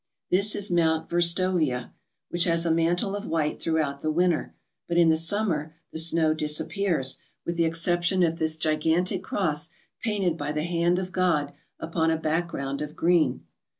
This is Mt. Verstovia, which has a mantle of white throughout the winter, but in the summer the snow disappears, with the exception of this gigantic cross painted by the hand of God upon a background of green.